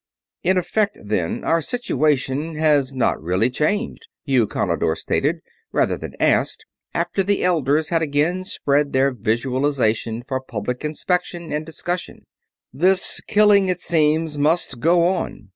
"In effect, then, our situation has not really changed," Eukonidor stated, rather than asked, after the Elders had again spread their Visualization for public inspection and discussion. "This killing, it seems, must go on.